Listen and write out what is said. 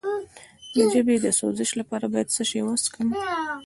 د ژبې د سوزش لپاره باید څه شی وڅښم؟